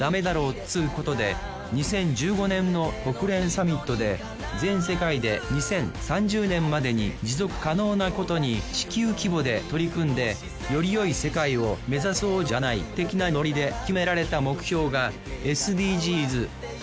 っつうことで２０１５年の国連サミットで全世界で２０３０年までに持続可能なことに地球規模で取り組んでよりよい世界を目指そうじゃない的なノリで決められた目標がＳＤＧｓ。